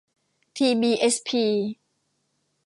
ทีบีเอสพี